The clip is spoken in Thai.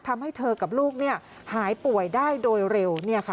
ทำให้เธอกับลูกหายป่วยได้โดยเร็ว